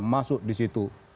masuk di situ